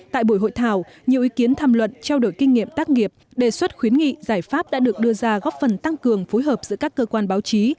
tại buổi hội thảo nhiều ý kiến tham luận trao đổi kinh nghiệm tác nghiệp đề xuất khuyến nghị giải pháp đã được đưa ra góp phần tăng cường phối hợp giữa các cơ quan báo chí